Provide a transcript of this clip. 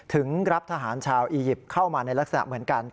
ถึงรับทหารชาวอียิปต์เข้ามาในลักษณะเหมือนกัน